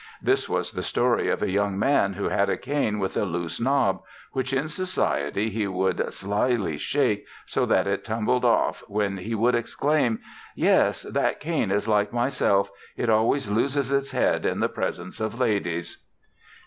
This was the story of a young man who had a cane with a loose knob, which in society he would slyly shake so that it tumbled off, when he would exclaim: "Yes, that cane is like myself; it always loses its head in the presence of ladies."